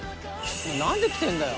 「何で来てんだよ？」